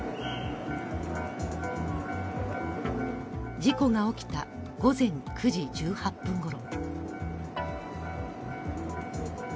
事故が起きた午前９時１８分ごろ。